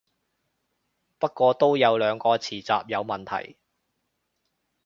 不過都有兩個詞彙有問題